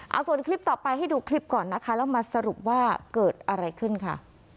เอาส่วนคลิปต่อไปให้ดูคลิปก่อนนะคะแล้วมาสรุปว่าเกิดอะไรขึ้นค่ะ